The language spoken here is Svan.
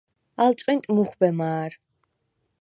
ალ ჭყინტ მუხვბე მა̄რ.